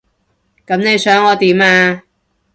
噉你想我點啊？